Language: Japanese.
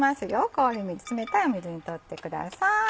氷水冷たい水にとってください。